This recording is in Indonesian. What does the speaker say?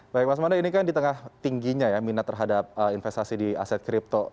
baik mas manda ini kan di tengah tingginya ya minat terhadap investasi di aset kripto